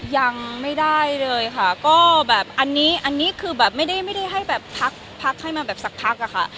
ยังไม่ได้เลยค่ะก็แบบอันนี้คือไม่ได้ให้พักให้มาสักพักค่ะ